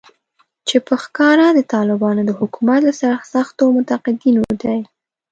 چې په ښکاره د طالبانو د حکومت له سرسختو منتقدینو دی